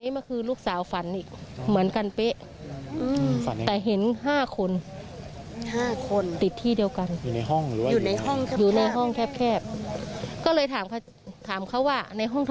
แม่เชื่อว่าน้องอาจจะมาบอก